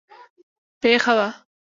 پېښه وه.